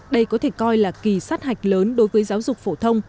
đây có thể coi là kỳ sát hạch lớn đối với giáo dục phổ thông